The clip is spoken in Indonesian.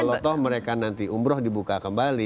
kalau toh mereka nanti umroh dibuka kembali